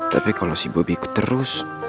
tapi kalau si bobi ikut terus